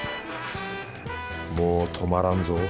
もう止まらんぞ。